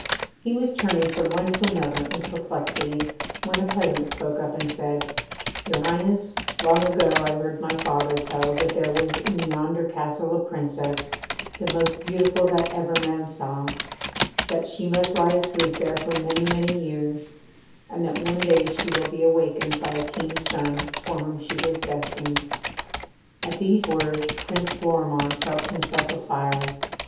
He was turning from one to another in perplexity, when a peasant spoke up and said: 'Your Highness, long ago I heard my father tell that there was in yonder castle a Princess, the most beautiful that ever man saw; that she must lie asleep there for many, many years; and that one day she will be awakened by a King's son, for whom she was destined.' At these words Prince Florimond felt himself a fire.